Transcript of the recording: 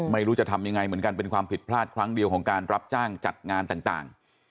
ไม่รู้จะทำยังไงเหมือนกันเป็นความผิดพลาดครั้งเดียวของการรับจ้างจัดงานต่าง